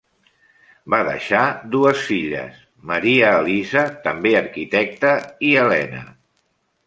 Va deixar dues filles, Maria Elisa, també arquitecta, i Helena.